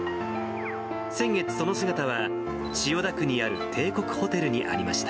先月、その姿は千代田区にある帝国ホテルにありました。